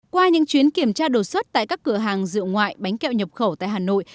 qua những chuyến kiểm tra đột xuất tại các cửa hàng rượu ngoại bánh kẹo nhập khẩu tại hà nội